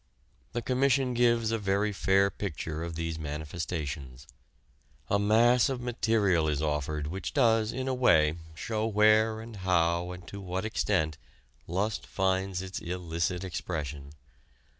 The Commission gives a very fair picture of these manifestations. A mass of material is offered which does in a way show where and how and to what extent lust finds its illicit expression.